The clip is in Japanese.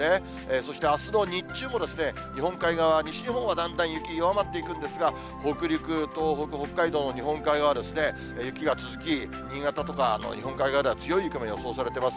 そしてあすの日中も、日本海側、西日本はだんだん雪、弱まっていくんですが、北陸、東北、北海道の日本海側は、雪が続き、新潟とか日本海側では強い雪も予想されています。